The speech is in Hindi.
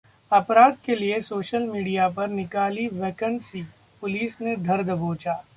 अपराध के लिए सोशल मीडिया पर निकाली वैकेंसी, पुलिस ने धर दबोचा